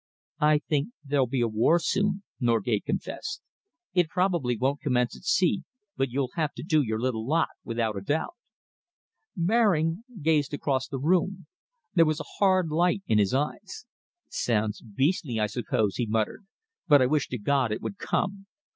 "I think there'll be a war soon," Norgate confessed. "It probably won't commence at sea, but you'll have to do your little lot, without a doubt." Baring gazed across the room. There was a hard light in his eyes. "Sounds beastly, I suppose," he muttered, "but I wish to God it would come!